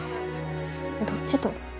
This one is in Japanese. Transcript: どっちと？